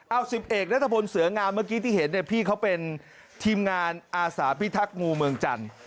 เอา๑๐เอกนัทพลเสืองามเมื่อกี้ที่เห็นเนี่ยพี่เขาเป็นทีมงานอาสาพิทักษ์งูเมืองจันทร์